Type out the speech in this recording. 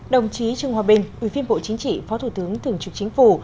đồng chí trương hòa bình ủy viên bộ chính trị phó thủ tướng thường trực chính phủ